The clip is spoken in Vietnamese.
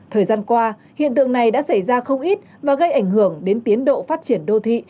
thời gian qua hiện tượng này đã xảy ra không ít và gây ảnh hưởng đến tiến độ phát triển đô thị